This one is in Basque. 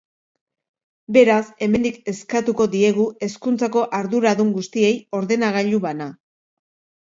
Beraz, hemendik eskatuko diegu hezkuntzako arduradun guztiei ordenagailu bana.